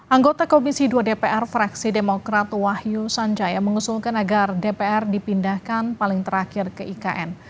anggota komisi dua dpr fraksi demokrat wahyu sanjaya mengusulkan agar dpr dipindahkan paling terakhir ke ikn